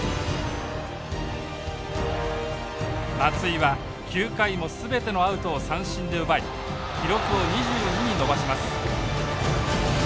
松井は９回も全てのアウトを三振で奪い記録を２２に伸ばします。